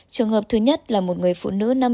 trường hợp thứ nhất là một người phụ nữ